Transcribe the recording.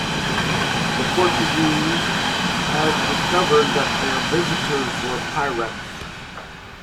The Portuguese had discovered that their visitors were pirates.